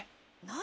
［何？